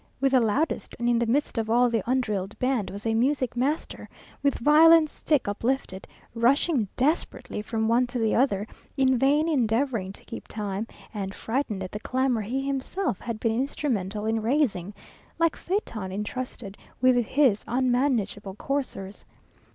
_ with the loudest; and in the midst of all the undrilled band was a music master, with violin stick uplifted, rushing desperately from one to the other, in vain endeavouring to keep time, and frightened at the clamour he himself had been instrumental in raising, like Phaeton intrusted with his unmanageable coursers.